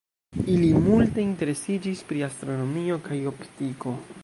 Ili multe interesiĝis pri astronomio kaj optiko.